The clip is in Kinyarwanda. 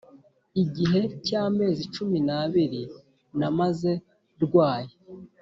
igihe cyamezi cumi nabiri namaze rwaye